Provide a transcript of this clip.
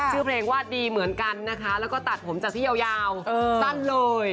ชื่อเพลงว่าดีเหมือนกันนะคะแล้วก็ตัดผมจากที่ยาวสั้นเลย